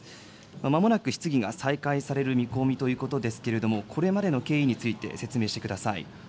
まもなく質疑が再開される見込みということですけれども、これまでの経緯について、説明してください。